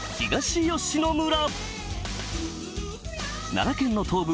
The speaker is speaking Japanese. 奈良県の東部